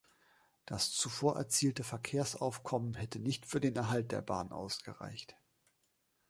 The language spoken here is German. Das zuvor erzielte Verkehrsaufkommen hätte nicht für den Erhalt der Bahn ausgereicht.